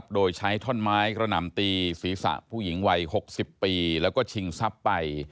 โดยใช้ท่อนไม้กระหน่ำตีศีรษะผู้หญิงวัย๖๐ปีแล้วก็ชิงทรัพย์ไป